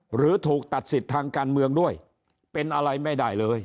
หรือถูกตัดสิทธิ์ทางการเมืองด้วยเป็นอะไรไม่ได้เลย